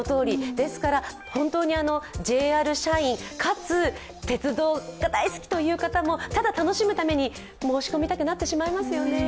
ですから、本当にＪＲ社員かつ、鉄道が大好きという方もただ楽しむために申し込みたくなってしまいますよね。